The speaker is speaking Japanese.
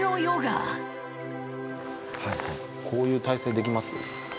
こういう体勢できます？